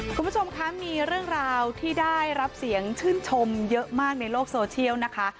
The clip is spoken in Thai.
คุณผู้ชมคะมีเรื่องราวที่ได้รับเสียงชื่นชมเยอะมากในโลกโซเชียลนะคะ